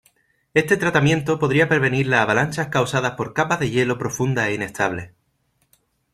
Este tratamiento podría prevenir las avalanchas causadas por capas de hielo profundas e inestables.